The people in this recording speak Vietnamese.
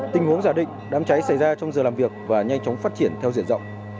tình huống giả định đám cháy xảy ra trong giờ làm việc và nhanh chóng phát triển theo diện rộng